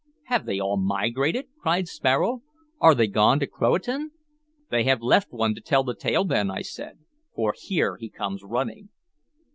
"Have they all migrated?" cried Sparrow. "Are they gone to Croatan?" "They have left one to tell the tale, then," I said, "for here he comes running."